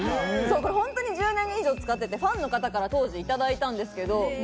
これホントに１０年以上使っててファンの方から当時頂いたんですけど。